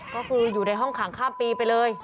ก็คืออยู่ในห้องขังข้ามปีไปเลย